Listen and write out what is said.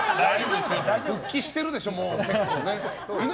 復帰しているでしょう。